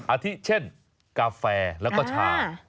อาทิตย์เช่นกาแฟและก็ชา